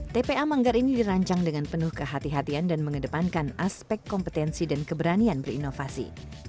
tpa manggar ini dirancang dengan penuh kehatian dan mengedepankan aspek kompetensi dan keberanian berinovasi